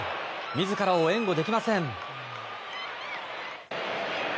自らを援護できません。